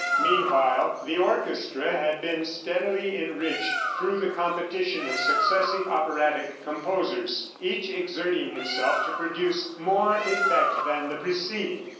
Meanwhile the orchestra had been steadily enriched through the competition of successive operatic composers, each exerting himself to produce more effect than the preceding.